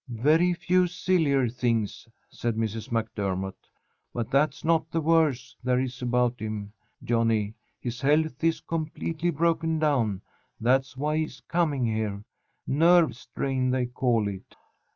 "Very few sillier things," said Mrs. MacDermott. "But that's not the worse there is about him, Johnny. His health is completely broken down. That's why he's coming here. Nerve strain, they call it."